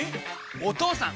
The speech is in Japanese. お義父さん！